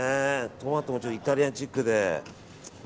トマトもイタリアンチックで。